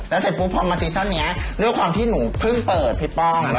แล้วเสร็จปุ๊บพอมาซีซั่นนี้ด้วยความที่หนูเพิ่งเปิดพี่ป้อง